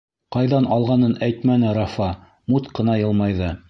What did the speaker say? -Ҡайҙан алғанын әйтмәне Рафа, мут ҡына йылмайҙы.